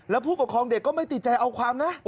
แล้วผู้ปกครองเด็กก็ไม่ติดใจเอาความนะ